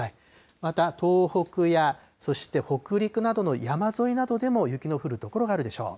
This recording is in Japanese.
また東北や、そして北陸などの山沿いなどでも雪の降る所があるでしょう。